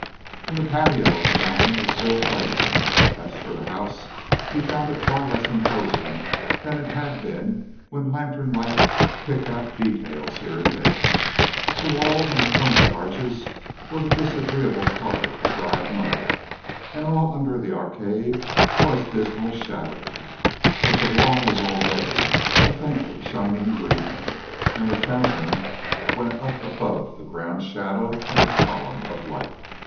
In the patio the fountain was still playing. As for the house, he found it far less imposing than it had been when lantern light picked out details here and there. The walls and the clumsy arches were the disagreeable color of dried mud and all under the arcade was dismal shadow. But the lawn was already a faintly shining green, and the fountain went up above the ground shadow in a column of light.